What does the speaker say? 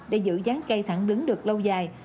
để giữ dáng cây thẳng đứng được lâu dài